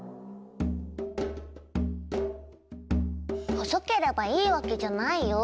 細ければいいわけじゃないよ。